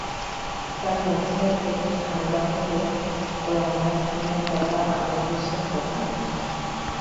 তার মধ্যে একটি মামলা হলো রমনা থানায় করা আমির হোসেন হত্যা মামলা।